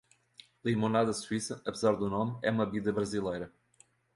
Limonada suíça, apesar do nome, é uma bebida brasileira.